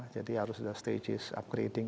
jadi harus ada stages upgrading